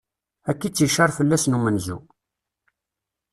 Akka i tt-icar fell-asen umenzu.